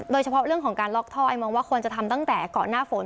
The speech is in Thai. โดยเฉพาะเรื่องของการล็อกท่อไอมองว่าควรจะทำตั้งแต่ก่อนหน้าฝน